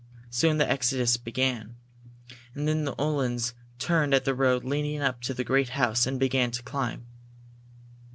Soon the exodus began. And then the Uhlans turned at the road leading up to the great house, and began to climb.